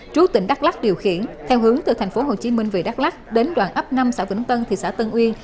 trú tỉnh đắk lắc điều khiển theo hướng từ tp hcm về đắk lắc đến đoạn ấp năm xã vĩnh tân thị xã tân uyên